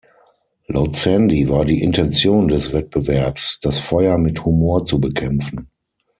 Laut Sandy war die Intention des Wettbewerbs, „das Feuer mit Humor zu bekämpfen“.